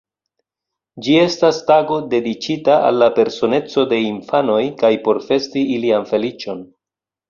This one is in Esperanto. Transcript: Ĝi estas tago dediĉita al la personeco de infanoj kaj por festi ilian feliĉon.